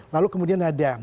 lalu kemudian ada